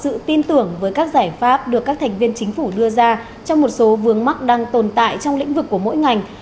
nhiều đại biểu bày tỏ sự tin tưởng với các giải pháp được các thành viên chính phủ đưa ra trong một số vướng mắc đang tồn tại trong lĩnh vực của mỗi ngành